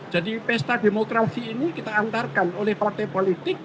jadi pesta demokrasi ini kita antarkan oleh partai politik